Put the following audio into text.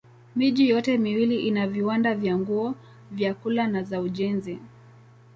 Miji yote miwili ina viwanda vya nguo, vyakula na za ujenzi.